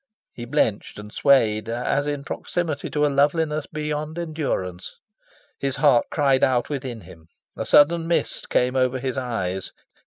He blenched and swayed as in proximity to a loveliness beyond endurance. His heart cried out within him. A sudden mist came over his eyes.